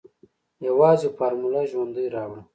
يوازې فارموله ژوندۍ راوړه.